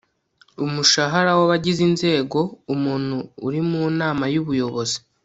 umushahara w'abagize inzego umuntu uri mu nama y'ubuyobozi